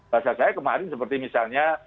bahasa saya kemarin seperti misalnya